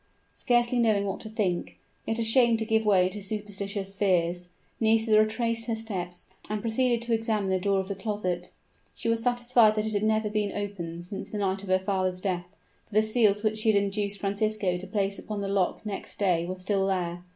Scarcely knowing what to think, yet ashamed to give way to superstitious fears, Nisida retraced her steps, and proceeded to examine the door of the closet. She was satisfied that it had never been opened since the night of her father's death; for the seals which she had induced Francisco to place upon the lock next day were still there.